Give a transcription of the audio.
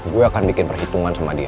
gue akan bikin perhitungan sama dia